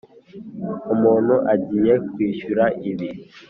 umuntu agiye kwishyura ibi.